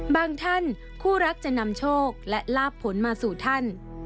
ท่านคู่รักจะนำโชคและลาบผลมาสู่ท่าน